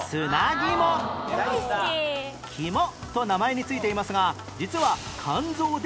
「肝」と名前に付いていますが実は